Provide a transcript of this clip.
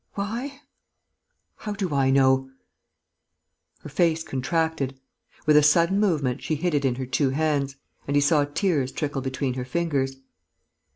Why?... How do I know?..." Her face contracted. With a sudden movement, she hid it in her two hands; and he saw tears trickle between her fingers.